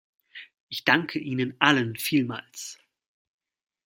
Ich danke Ihnen allen vielmals.